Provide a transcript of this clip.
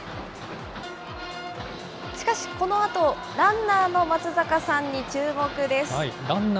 しかし、このあとランナーの松坂さんに注目です。